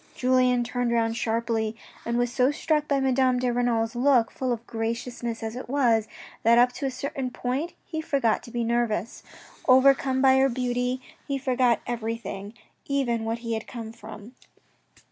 Julien turned round sharply and was so struck by Madame de Renal's look, full of graciousness as it was, that up to a certain point he forgot to be nervous. Overcome by her beauty he soon forgot everything, even what he had come for.